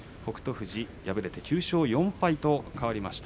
富士敗れて９勝４敗と変わりました。